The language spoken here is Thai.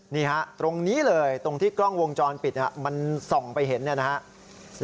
นี่ฮะตรงนี้เลยตรงที่กล้องวงจรปิดมันส่องไปเห็นเนี่ยนะครับ